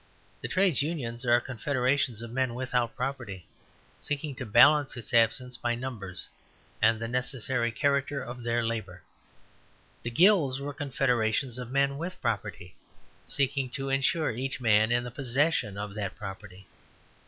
The Trades Unions are confederations of men without property, seeking to balance its absence by numbers and the necessary character of their labour. The Guilds were confederations of men with property, seeking to ensure each man in the possession of that property.